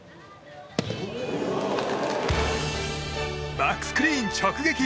バックスクリーン直撃！